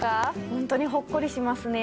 本当にほっこりしますね。